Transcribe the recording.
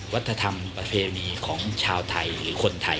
วัฒนธรรมประเภวนีของชาวไทยอย่างคนไทย